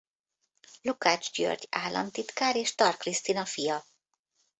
Lukács György államtitkár és Tar Krisztina fia.